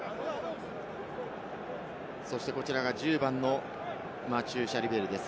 こちらが１０番のマチュー・ジャリベールです。